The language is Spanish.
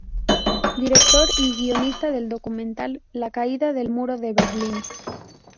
Director y guionista del documental "La caída del muro de Berlín.